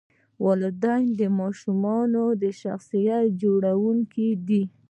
والدین د ماشوم شخصیت جوړونکي دي.